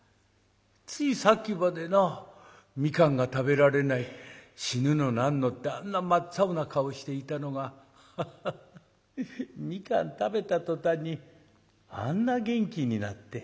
ついさっきまでな蜜柑が食べられない死ぬの何のってあんな真っ青な顔していたのがアハハ蜜柑食べた途端にあんな元気になって。